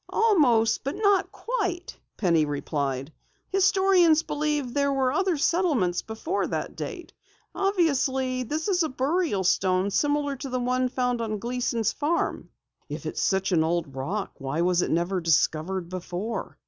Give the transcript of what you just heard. "Almost but not quite," replied Penny. "Historians believe there were other settlements before that date. Obviously, this is a burial stone similar to the one found on the Gleason farm." "If it's such an old rock why was it never discovered before?"